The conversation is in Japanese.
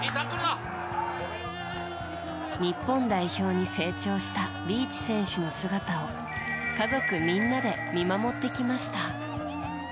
日本代表に成長したリーチ選手の姿を家族みんなで見守ってきました。